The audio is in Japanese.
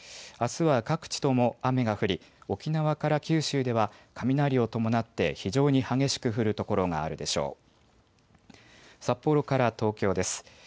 あすは各地とも雨が降り沖縄から九州では雷を伴って非常に激しく降る所があるでしょう。